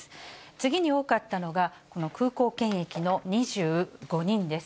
次に多かったのが、この空港検疫の２５人です。